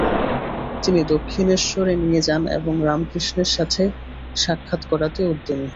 তিনি দক্ষিণেশ্বরে নিয়ে যান এবং রামকৃষ্ণের সাথে সাক্ষাত করাতে উদ্দমী হন।